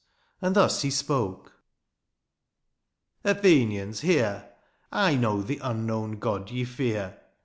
And thus he spoke :—" Athenians, hear ;" I know the unknown God ye fear.